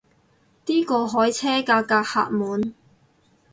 啲過海車架架客滿